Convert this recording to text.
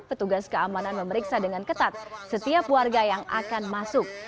petugas keamanan memeriksa dengan ketat setiap warga yang akan masuk